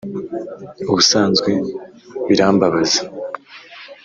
ubusanzwe birambabaza.